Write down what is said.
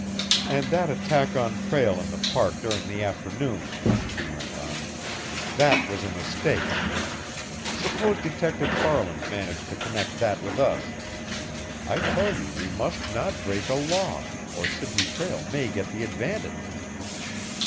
"And that attack on Prale in the Park during the afternoon!" she went on. "That was a mistake. Suppose Detective Farland managed to connect that with us. I tell you we must not break a law, or Sidney Prale may get the advantage!"